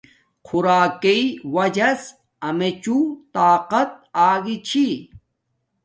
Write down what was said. خوراکݵ وجس امیے چوں طاقت آگی چھی